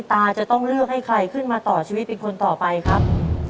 ตาจะต้องเลือกให้ใครขึ้นมาต่อชีวิตเป็นคนต่อไปครับ